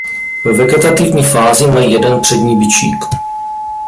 Ve vegetativní fázi mají jeden přední bičík.